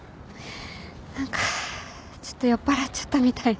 何かちょっと酔っぱらっちゃったみたいで。